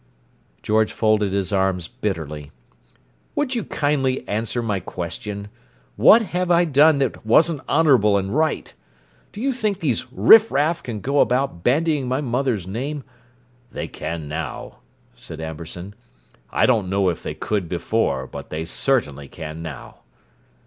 George folded his arms bitterly. "Will you kindly answer my question? What have I done that wasn't honourable and right? Do you think these riffraff can go about bandying my mother's name—" "They can now," said Amberson. "I don't know if they could before, but they certainly can now!"